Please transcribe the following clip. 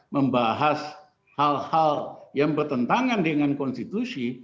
membahas hal hal yang bertentangan dengan konstitusi